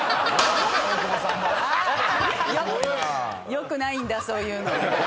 よくないんだそういうの。